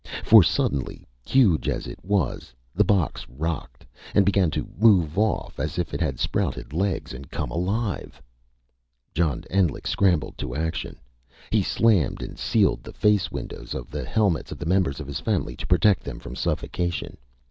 For suddenly, huge as it was, the box rocked, and began to move off, as if it had sprouted legs and come alive. John Endlich scrambled to action. He slammed and sealed the face windows of the helmets of the members of his family, to protect them from suffocation.